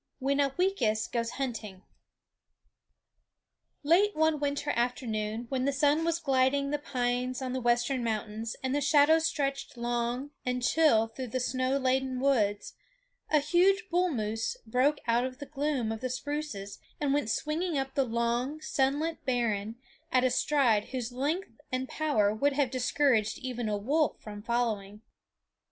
WHEN UPWEEKIS GOES HUNTING Late one winter afternoon, when the sun was gilding the pines on the western mountains and the shadows stretched long and chill through the snow laden woods, a huge bull moose broke out of the gloom of the spruces and went swinging up the long, sunlit barren at a stride whose length and power would have discouraged even a wolf from following.